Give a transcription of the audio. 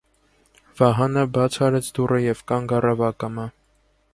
Վահանը բաց արեց դուռը և կանգ առավ ակամա: